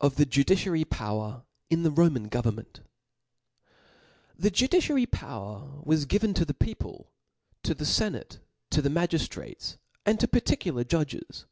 ^^ Ofthejudiaary Power in the, Romap Go^,^rnment^ ^\^ HE' judiciary power was given to the peo* '• pie, to tlie feriate',' to .the magiftrates, and to particular judges.